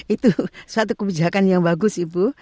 itu suatu kebijakan yang bagus ibu